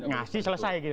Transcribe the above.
ngasih selesai gitu